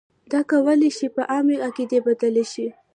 دا کولای شي په عامې قاعدې بدل شي.